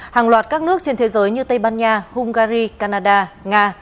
hàng loạt các nước trên thế giới như tây ban nha hungary canada nga